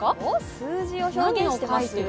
数字を表現しています？